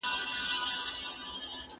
باورونه باید په رښتینولۍ سره بېرته ورغول سي.